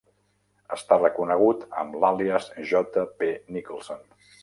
Està reconegut amb l'àlies "J. P. Nicholson".